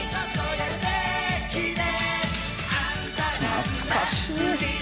懐かしい！